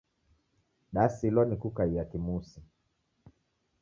Dasilwa ni kukaia kimusi